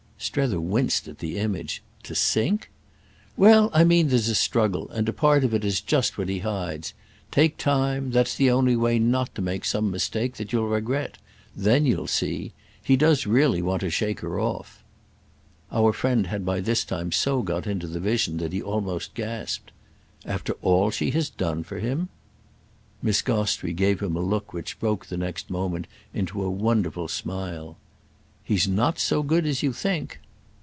Strether winced at the image. "To 'sink'—?" "Well, I mean there's a struggle, and a part of it is just what he hides. Take time—that's the only way not to make some mistake that you'll regret. Then you'll see. He does really want to shake her off." Our friend had by this time so got into the vision that he almost gasped. "After all she has done for him?" Miss Gostrey gave him a look which broke the next moment into a wonderful smile. "He's not so good as you think!"